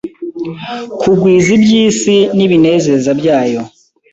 Kugwiza iby’isi n’ibinezeza byayo